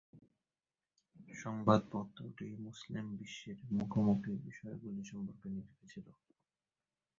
সংবাদপত্রটি মুসলিম বিশ্বের মুখোমুখি বিষয়গুলি সম্পর্কে লিখেছিল।